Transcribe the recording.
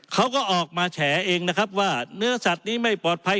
เขาก็ออกมาแฉเองนะครับว่าเนื้อสัตว์นี้ไม่ปลอดภัย